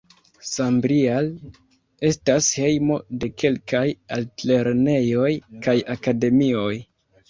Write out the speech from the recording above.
Sambrial estas hejmo de kelkaj altlernejoj kaj akademioj.